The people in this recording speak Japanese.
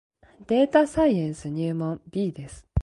データサイエンス入門 B です